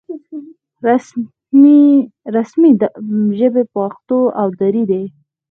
رسمي ژبې پښتو او دري دي